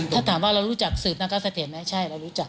ถ้าถามว่าเรารู้จักสืบนักการเสถียรไหมใช่เรารู้จัก